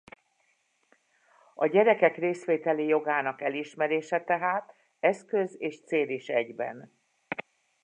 A gyerekek részvételi jogának elismerése tehát eszköz és cél is egyben.